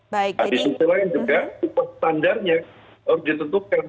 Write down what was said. di sisi lain juga upah standarnya harus ditentukan